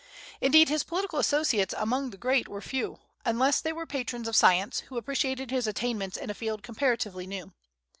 Indeed his political associates among the great were few, unless they were patrons of science, who appreciated his attainments in a field comparatively new.